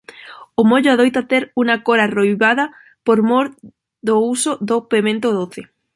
O mollo adoita ter unha cor arroibada por mor do uso do pemento doce.